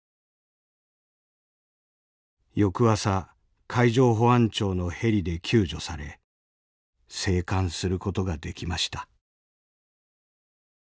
「翌朝海上保安庁のヘリで救助され生還することができました」。